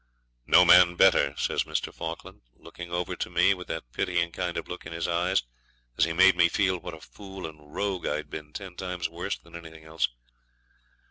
'No man better,' says Mr. Falkland, looking over to me with that pitying kind of look in his eyes as made me feel what a fool and rogue I'd been ten times worse than anything else.